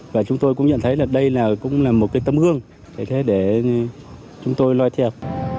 và chúng tôi cũng nhận thấy là đây cũng là một cái tấm hương để chúng tôi loay theo